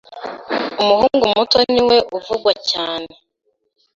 Umuhungu muto ni we uvugwa cyane